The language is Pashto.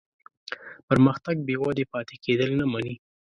پرمختګ بېودې پاتې کېدل نه مني.